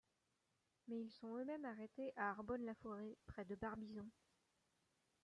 Mais ils sont eux-mêmes arrêtés à Arbonne-la-Forêt, près de Barbizon.